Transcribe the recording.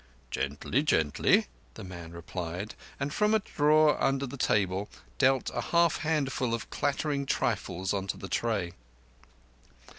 "Gently—gently," the man replied, and from a drawer under the table dealt a half handful of clattering trifles into the tray.